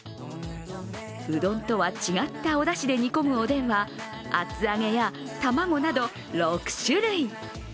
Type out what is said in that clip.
うどんとは違ったおだしで煮込むおでんは厚揚げや卵など、６種類。